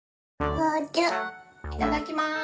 いただきます。